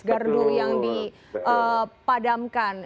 gardu yang dipadamkan